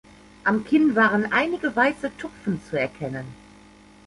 Am Kinn waren einige weiße Tupfen zu erkennen.